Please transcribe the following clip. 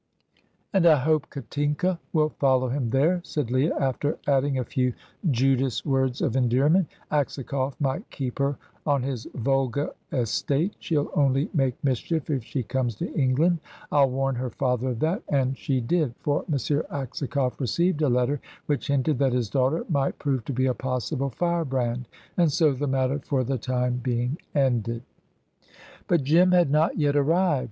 "And I hope Katinka will follow him there," said Leah, after adding a few Judas words of endearment. "Aksakoff might keep her on his Volga estate. She'll only make mischief if she comes to England. I'll warn her father of that"; and she did, for M. Aksakoff received a letter, which hinted that his daughter might prove to be a possible fire brand. And so the matter, for the time being, ended. But Jim had not yet arrived.